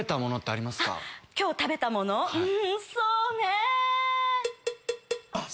今日食べたものうんそうね。